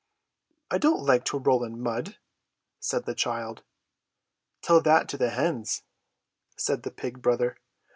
"I don't like to roll in mud!" said the child. "Tell that to the hens!" said the pig brother.